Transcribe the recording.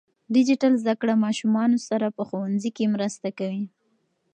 ډیجیټل زده کړه ماشومان په ښوونځي کې مرسته کوي.